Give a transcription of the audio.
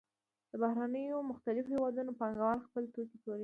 د بهرنیو پرمختللو هېوادونو پانګوال خپل توکي پلوري